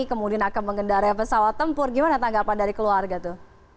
kemudian akan mengendarai pesawat tempur gimana tanggapan dari keluarga tuh